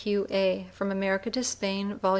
Q. A., From America to Spain. Vol.